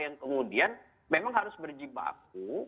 yang kemudian memang harus berjibaku